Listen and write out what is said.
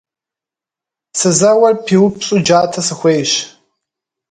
Сызэуэр пиупщӏу джатэ сыхуейщ.